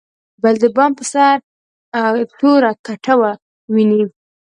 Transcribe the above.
بل د بام په سر توره کټوه ویني.